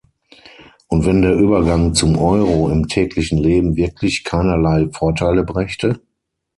Und wenn der Übergang zum Euro im täglichen Leben wirklich keinerlei Vorteile brächte?